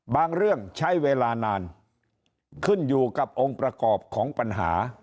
เรื่องใช้เวลานานขึ้นอยู่กับองค์ประกอบของปัญหา